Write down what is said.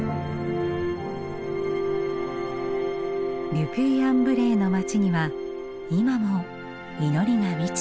ル・ピュイ・アン・ヴレイの街には今も祈りが満ちています。